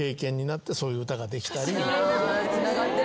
つながってる。